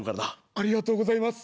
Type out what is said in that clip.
ありがとうございます。